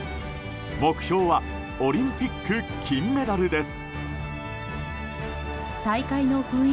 目標はオリンピック金メダルです。